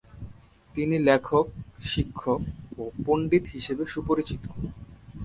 তিনি লেখক, শিক্ষক, ও পণ্ডিত হিসেবে সুপরিচিত।